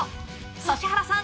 指原さん